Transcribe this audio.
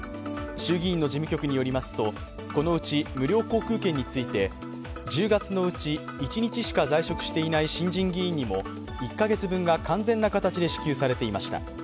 衆議院の事務局によりますと、このうち無料航空券について１０月のうち１日しか在職していない新人議員にも１カ月分が完全な形で支給されていました。